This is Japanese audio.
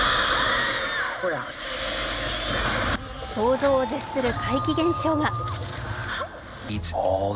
想像を絶する怪奇現象が。